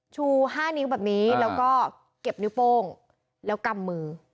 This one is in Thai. ชู๕นิ้วแบบนี้แล้วก็เก็บนิ้วโป้งแล้วกำมือ